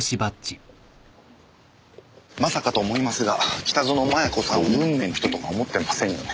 まさかと思いますが北薗摩耶子さんを運命の人とか思ってませんよね？